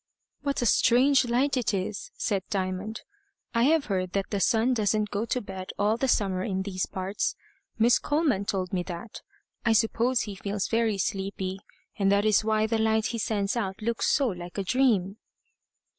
"What a strange light it is!" said Diamond. "I have heard that the sun doesn't go to bed all the summer in these parts. Miss Coleman told me that. I suppose he feels very sleepy, and that is why the light he sends out looks so like a dream."